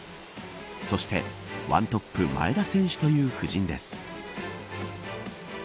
そして１トップ前田選手という布陣です。